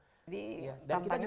jadi kampanye besar sekali